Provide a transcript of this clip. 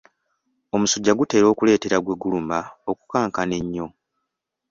Omusujja gutera okuleetera gwe guluma okukankana ennyo.